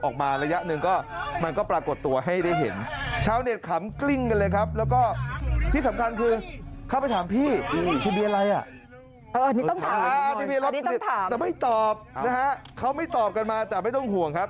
เขาไม่ตอบกันมาแต่ไม่ต้องห่วงครับ